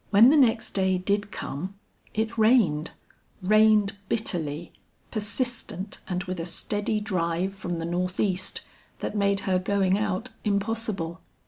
When the next day did come, it rained, rained bitterly, persistent and with a steady drive from the north east, that made her going out impossible.